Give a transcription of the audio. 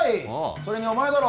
それにお前だろ